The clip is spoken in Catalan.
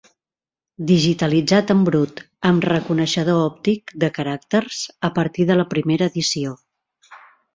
Digitalitzat en brut, amb reconeixedor òptic de caràcters, a partir de la primera edició.